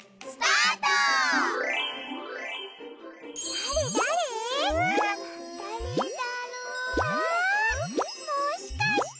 あっもしかして。